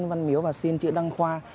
em yếu và xin chữ đăng khoa